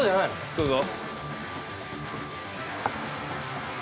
◆どうぞ。